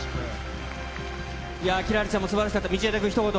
輝星ちゃんもすばらしかった、道枝君、ひと言。